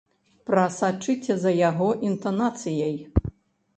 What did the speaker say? Прасачыце за яго інтанацыяй!